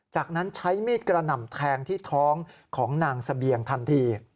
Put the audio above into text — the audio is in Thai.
จากนั้นใช้มีดกระหน่ำแทงที่ท้องของนางเสบียงทันที